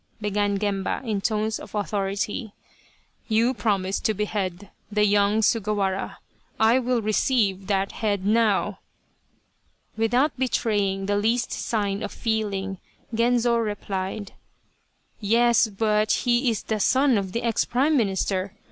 " began Gemba, in tones of authority, " you promised to behead the young Sugawara I will receive that head now !" Without betraying the least sign of feeling, Genzo replied :" Yes, but he is the son of the ex Prime Minister.